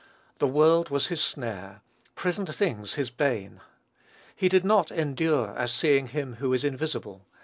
The world was his snare, present things his bane. He did not "endure as seeing him who is invisible."